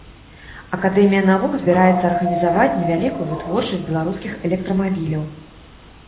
Акадэмія навук збіраецца арганізаваць невялікую вытворчасць беларускіх электрамабіляў.